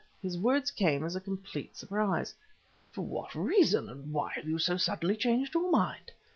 His words came as a complete surprise. "For what reason? and why have you so suddenly changed your mind?"